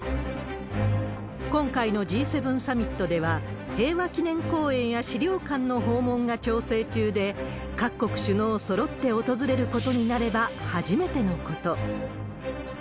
今回のＧ７サミットでは、平和記念公園や資料館の訪問が調整中で、各国首脳そろって訪れることになれば初めてのこと。